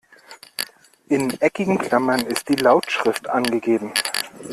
In eckigen Klammern ist die Lautschrift angegeben.